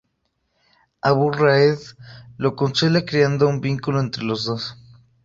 Abu Raed lo consuela, creando un vínculo entre los dos.